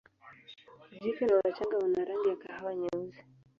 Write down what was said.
Jike na wachanga wana rangi ya kahawa nyeusi.